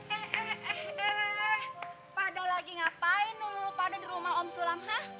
eh eh eh eh eh pada lagi ngapain lo pada di rumah om sulam hah